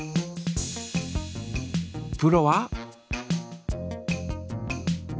プロは？